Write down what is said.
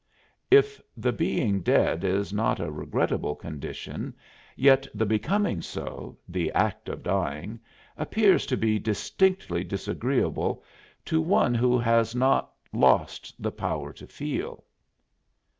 "If the being dead is not a regrettable condition, yet the becoming so the act of dying appears to be distinctly disagreeable to one who has not lost the power to feel."